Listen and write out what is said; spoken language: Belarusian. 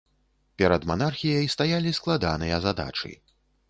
Перад манархіяй стаялі складаныя задачы.